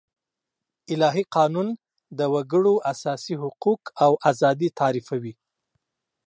الهي قانون د وګړو اساسي حقوق او آزادي تعريفوي.